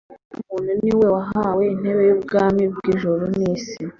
"Umwana w'umuntu ni we wahawe intebe y'ubwami bw'ijuru n'isi.